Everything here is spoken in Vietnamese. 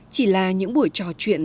chỉ là những buổi trò chuyện